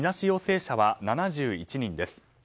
陽性者は７１人です。